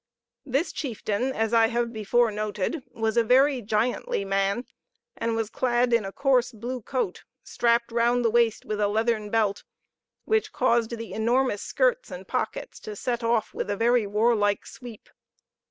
This chieftain, as I have before noted, was a very giantly man, and was clad in a coarse blue coat, strapped round the waist with a leathern belt, which caused the enormous skirts and pockets to set off with a very warlike sweep.